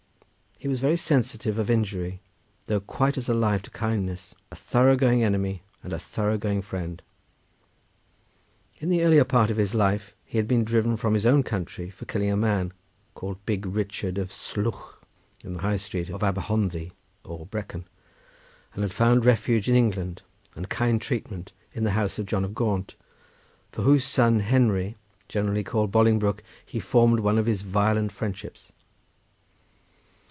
He was very sensitive of injury, though quite as alive to kindness; a thorough going enemy and a thorough going friend. In the earlier part of his life he had been driven from his own country for killing a man, called Big Richard of Slwch, in the High Street of Aber Honddu, or Brecon, and had found refuge in England, and kind treatment in the house of John of Gaunt, for whose son Henry, generally called Bolingbroke, he formed one of his violent friendships.